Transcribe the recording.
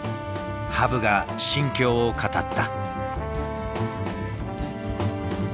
羽生が心境を語った。